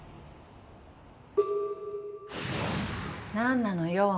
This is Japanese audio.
何なのよ？